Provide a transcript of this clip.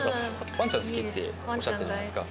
「わんちゃん好き」っておっしゃったじゃないですか。